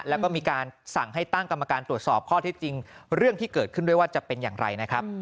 แล้วก็มีการสั่งให้ตั้งกรรมการตรวจสอบข้อเท็จจริงเรื่องที่เกิดขึ้นด้วยว่าจะเป็นอย่างไรนะครับ